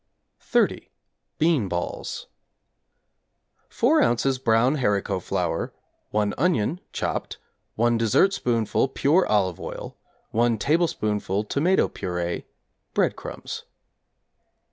=30. Bean Balls= 4 ozs. brown haricot flour, 1 onion (chopped), 1 dessertspoonful pure olive oil, 1 tablespoonful tomato purée, breadcrumbs.